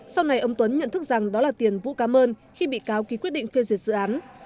sau này ông tuấn nhận thức rằng đó là tiền vũ cá mơn khi bị cáo ký quyết định phiêu diệt dự án